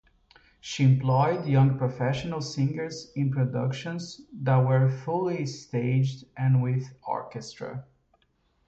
She employed young professional singers in productions that were fully staged and with orchestra.